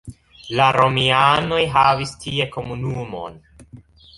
La romianoj havis tie komunumon.